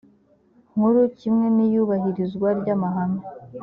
nkuru kimwe n iyubahirizwa ry amahame